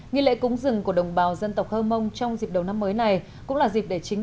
nghi lễ cúng rừng của đồng bào dân tộc hơ mông trong dịp đầu năm mới này cũng là dịp để chính